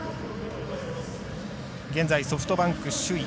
現在、ソフトバンク首位。